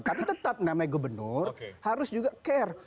tapi tetap namanya gubernur harus juga care